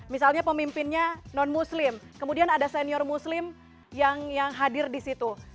misalnya pemimpinnya non muslim kemudian ada senior muslim yang hadir di situ